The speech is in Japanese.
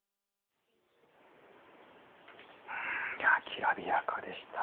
きらびやかでした。